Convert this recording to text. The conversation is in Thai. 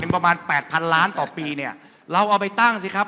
ประมาณแปดพันล้านต่อปีเนี่ยเราเอาไปตั้งสิครับ